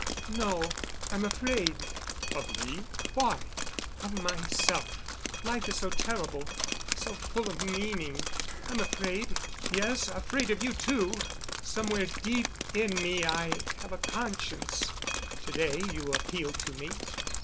"No, I'm afraid." "Of me? Why?" "Of myself. Life is so terrible—so full of meaning. I'm afraid—yes, afraid of you, too. Somewhere deep in me I have a conscience. To day you appeal to me.